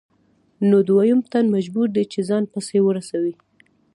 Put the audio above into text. نو دویم تن مجبور دی چې ځان پسې ورسوي